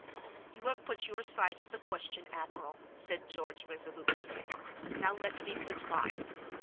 "You have put your side of the question, admiral," said George resolutely; "now let me put mine.